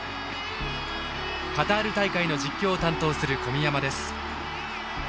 カタール大会の実況を担当する小宮山です。